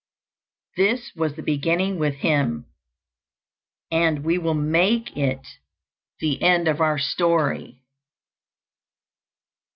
This was the beginning with him, and we will make it the end of our story.